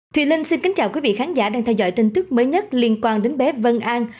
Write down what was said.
thùy linh xin kính chào quý vị khán giả đang theo dõi tin tức mới nhất liên quan đến bé vân an